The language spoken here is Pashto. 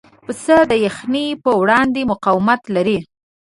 پسه د یخنۍ پر وړاندې مقاومت لري.